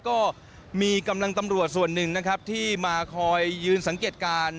ก็มีกำลังตำรวจส่วนหนึ่งนะครับที่มาคอยยืนสังเกตการณ์